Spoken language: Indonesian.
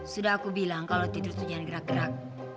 sudah aku bilang kalau tidur tuh jangan gerak gerak